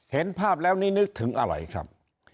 เห็นภาพแล้วนี่นึกถึงอะไรครับ